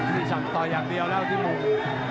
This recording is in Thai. มีสันต่อยอยากเดียวแล้วที่ลุก